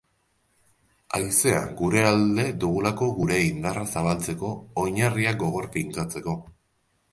Haizea gure alde dugulako gure indarra zabaltzeko, oinarriak gogor finkatzeko.